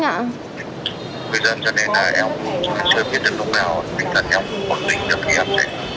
người dân cho nên là em chưa biết đến lúc nào tình trạng em còn tỉnh được khi em đến